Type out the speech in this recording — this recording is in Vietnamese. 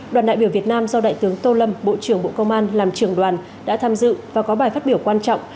đoàn đại biểu việt nam do đại tướng tô lâm bộ trưởng bộ công an làm trưởng đoàn đã tham dự và có bài phát biểu quan trọng